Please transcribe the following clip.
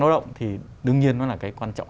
lao động thì đương nhiên nó là cái quan trọng